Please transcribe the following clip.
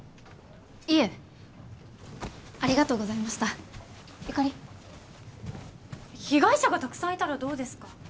いえありがとうございましたゆかり被害者がたくさんいたらどうですか？